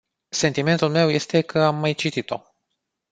Sentimentul meu este că am mai citit-o.